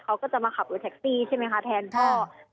เขาก็จะมาขับรถแท็กซี่ใช่ไหมคะแทนพ่อ